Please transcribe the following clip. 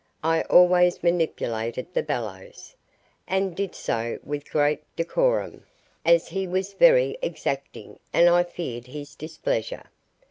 I always manipulated the bellows, and did so with great decorum, as he was very exacting and I feared his displeasure.